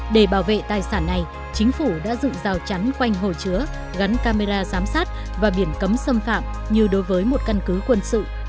để bảo vệ tài sản này chính phủ đã dựng rào chắn quanh hồ chứa gắn camera giám sát và biển cấm xâm phạm như đối với một căn cứ quân sự